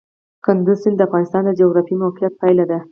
کندز سیند د افغانستان د جغرافیایي موقیعت پایله ده.